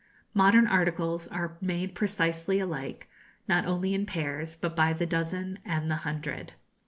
Modern articles are made precisely alike, not only in pairs, but by the dozen and the hundred.